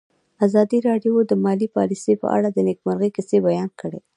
ازادي راډیو د مالي پالیسي په اړه د نېکمرغۍ کیسې بیان کړې.